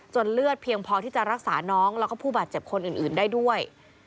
เลือดเพียงพอที่จะรักษาน้องแล้วก็ผู้บาดเจ็บคนอื่นได้ด้วย